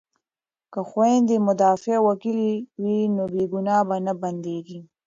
که خویندې مدافع وکیلې وي نو بې ګناه به نه بندیږي.